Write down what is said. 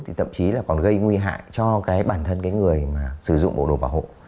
thì thậm chí là còn gây nguy hại cho cái bản thân cái người mà sử dụng bộ đồ bảo hộ